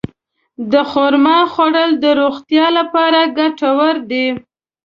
د خرما خوړل د روغتیا لپاره ګټور دي.